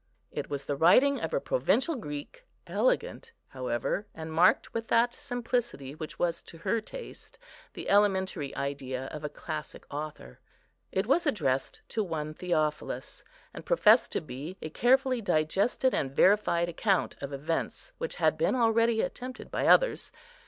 It was the writing of a provincial Greek; elegant, however, and marked with that simplicity which was to her taste the elementary idea of a classic author. It was addressed to one Theophilus, and professed to be a carefully digested and verified account of events which had been already attempted by others.